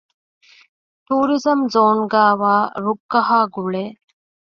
ޓޫރިޒަމް ޒޯނުގައިވާ ރުއްގަހާ ގުޅޭ